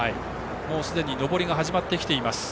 すでに上りが始まってきています。